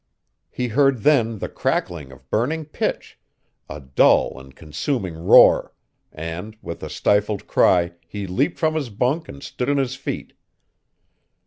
He heard then the crackling of burning pitch a dull and consuming roar, and with a stifled cry he leaped from his bunk and stood on his feet.